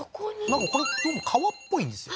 なんかこれどうも川っぽいんですよ